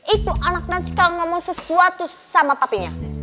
itu anak nacika ngomong sesuatu sama papinya